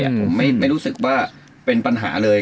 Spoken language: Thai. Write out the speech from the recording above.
ผมไม่รู้สึกว่าเป็นปัญหาเลย